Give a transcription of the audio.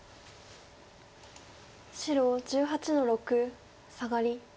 白１８の六サガリ。